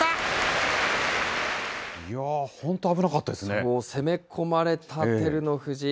そう、攻め込まれた照ノ富士。